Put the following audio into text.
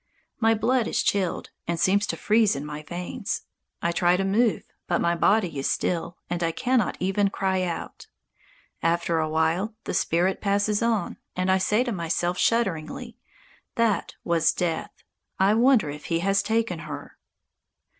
My blood is chilled, and seems to freeze in my veins. I try to move, but my body is still, and I cannot even cry out. After a while the spirit passes on, and I say to myself shudderingly, "That was Death. I wonder if he has taken her."